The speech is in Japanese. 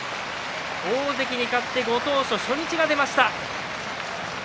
大関に勝ってご当所、初日が出ました。